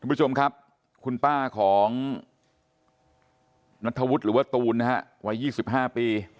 คุณผู้ชมครับคุณป้าของนัทธวุฒิหรือว่าตูนนะฮะวัย๒๕ปี